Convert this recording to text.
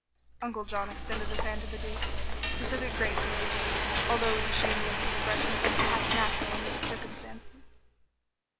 Uncle John extended his hand to the Duke, who took it gratefully, although with a shamefaced expression that was perhaps natural under the circumstances.